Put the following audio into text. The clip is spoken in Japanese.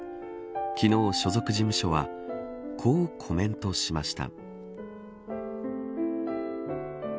昨日、所属事務所はこうコメントしました。